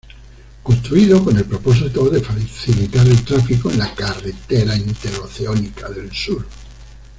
Construido con el propósito de facilitar el tráfico en la Carretera Interoceánica del Sur.